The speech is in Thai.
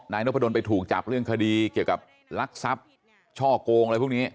นพดลไปถูกจับเรื่องคดีเกี่ยวกับลักทรัพย์ช่อกงอะไรพวกนี้